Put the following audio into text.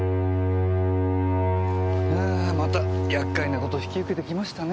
また厄介な事引き受けてきましたね。